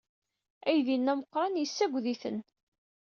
Aydi-nni ameqran yessaged-iten.